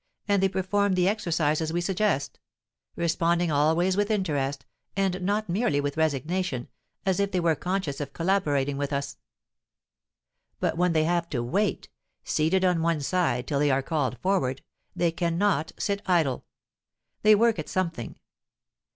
and they perform the exercises we suggest, responding always with interest, and not merely with resignation, as if they were conscious of collaborating with us. But when they have to wait, seated on one side till they are called forward, they cannot sit idle; they work at something.